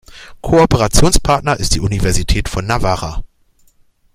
Kooperationspartner ist die Universität von Navarra.